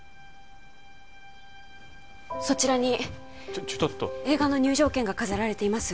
そちらにちょちょっと映画の入場券が飾られています